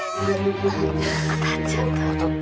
当たっちゃった。